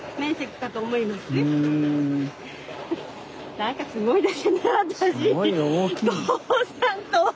何かすごいですね